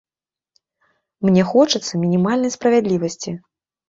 Мне хочацца мінімальнай справядлівасці.